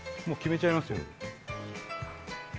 もう決めちゃいますよ